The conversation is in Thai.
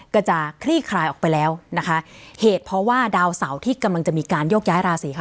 ก็จะคลี่คลายออกไปแล้วนะคะเหตุเพราะว่าดาวเสาที่กำลังจะมีการโยกย้ายราศีค่ะ